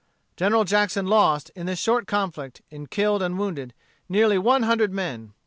General Jackson lost, in this short conflict, in killed and wounded, nearly one hundred men.